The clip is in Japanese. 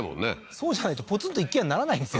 そうじゃないとポツンと一軒家にならないんですよ